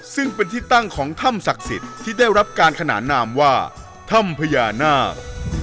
ซึ่งเป็นที่ตั้งของถ้ำศักดิ์สิทธิ์ที่ได้รับการขนานนามว่าถ้ำพญานาค